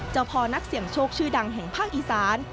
พ่อนักเสี่ยงโชคชื่อดังแห่งภาคอีสาน